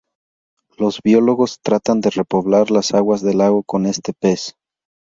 Los biólogos tratan de repoblar las aguas del lago con este pez.